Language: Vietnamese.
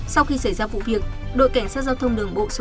sau khi xảy ra vụ việc đội cảnh sát giao thông đường bộ số một